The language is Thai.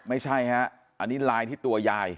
ไม่ใช่ฮะอันนี้ลายที่ตัวยาย